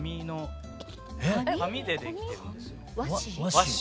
和紙？